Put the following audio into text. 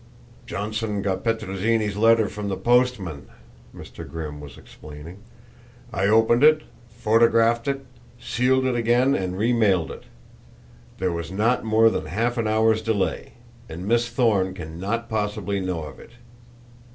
"Johnson got Petrozinni's letter from the postman," Mr. Grimm was explaining. "I opened it, photographed it, sealed it again and remailed it. There was not more than half an hour's delay; and Miss Thorne can not possibly know of it."